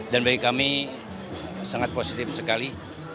dan bagi kami sangat positif sekali